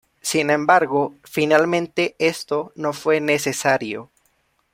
Sin embargo, finalmente esto no fue necesario.